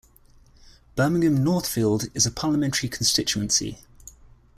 Birmingham Northfield is a parliamentary constituency.